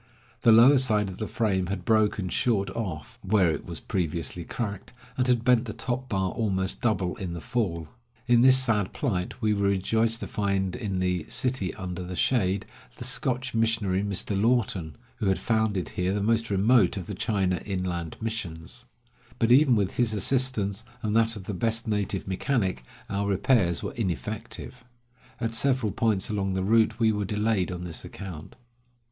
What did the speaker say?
The lower part of the frame had broken short off, where it was previously cracked, and had bent the top bar almost double in the fall. In this sad plight, we were rejoiced to find in the "City under the Shade" the Scotch missionary, 178 Across Asia on a Bicycle _/ I A Si ,* c ^#VW^i A CHINAMAN'S WHEELBARROW. Mr. Laughton, who had founded here the most remote of the China Inland Missions. But even with his assistance, and that of the best native mechanic, our repairs were ineffective. At several points along the route we were delayed on this account.